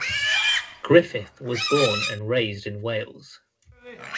Griffith was born and raised in Wales.